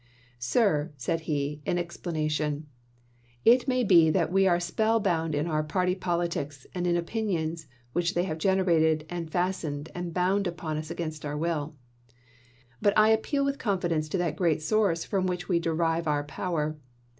" Sir," said he, in explana tion, "it maybe that we are spell bound in our party politics and in opinions which they have generated and fastened and bound upon us against our will ; but I appeal with confidence to that great source from which we derive our power.